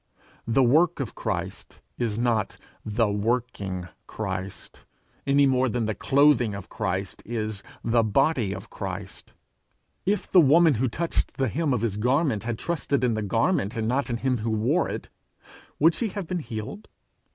The work of Christ is not the Working Christ, any more than the clothing of Christ is the body of Christ. If the woman who touched the hem of his garment had trusted in the garment and not in him who wore it, would she have been healed?